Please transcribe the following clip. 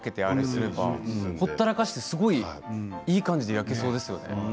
すればほったらかしですごいいい感じで焼けそうですね。